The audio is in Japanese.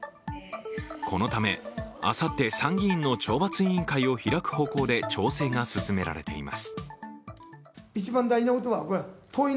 このため、あさって参議院の懲罰委員会を開く方向で調整が進められています。